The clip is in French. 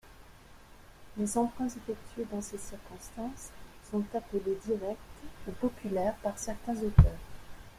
Les emprunts effectués dans ces circonstances sont appelés directs ou populaires par certains auteurs.